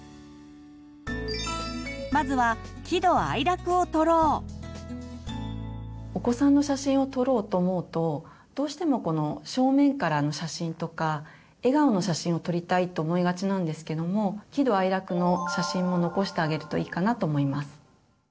まずはお子さんの写真を撮ろうと思うとどうしてもこの正面からの写真とか笑顔の写真を撮りたいと思いがちなんですけども喜怒哀楽の写真も残してあげるといいかなと思います。